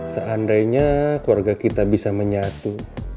seandainya keluarga kita bisa menyatu